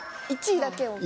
１位だけ。